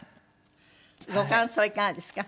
ご感想いかがですか？